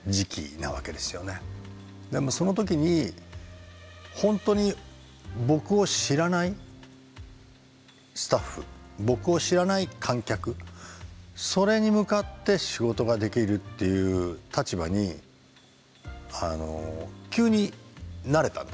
でもその時にほんとに僕を知らないスタッフ僕を知らない観客それに向かって仕事ができるっていう立場に急になれたんですよ。